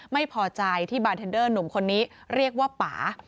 ไม่พอใจที่บาร์เทนเดอร์หนุ่มคนนี้เรียกว่าป่า